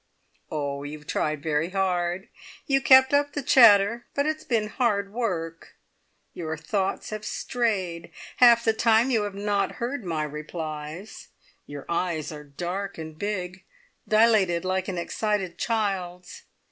Oh! you've tried very hard! you kept up the chatter, but it's been hard work. Your thoughts have strayed; half the time you have not heard my replies. Your eyes are dark and big dilated, like an excited child's!